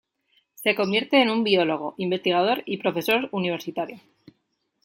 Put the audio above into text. Se convierte en un biólogo, investigador y profesor universitario.